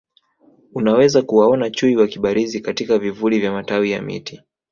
Unaweza kuwaona Chui wakibarizi katika vivuli vya matawi ya miti